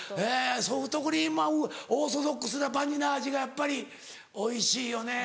ソフトクリームはオーソドックスなバニラ味がやっぱりおいしいよね。